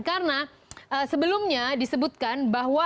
karena sebelumnya disebutkan bahwa